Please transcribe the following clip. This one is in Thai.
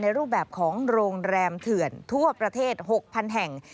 รูปแบบของโรงแรมเถื่อนทั่วประเทศ๖๐๐๐แห่ง